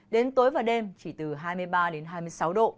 đến tối và đêm chỉ từ hai mươi ba đến hai mươi sáu độ